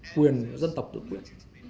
quyền dân tộc tự quyết